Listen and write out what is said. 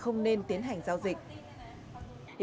không nên tiến hành giao dịch